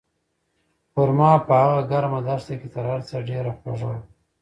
خورما په هغه ګرمه دښته کې تر هر څه ډېره خوږه وه.